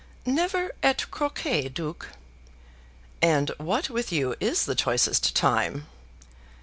"Never at croquet, Duke." "And what with you is the choicest time?"